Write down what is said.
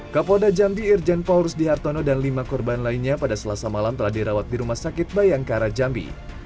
kapolda jambi irjen paul rusdi hartono dan lima korban lainnya pada selasa malam telah dirawat di rumah sakit bayangkara jambi